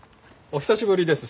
お久しぶりです。